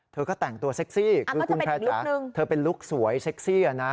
เธอก็แต่งตัวเซ็กซี่คือคุณแพร่จ๋าเธอเป็นลุคสวยเซ็กซี่นะ